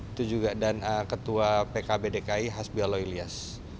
itu juga dan ketua pkb dki hasbioloilias